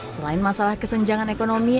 selain masalah kesenjangan ekonomi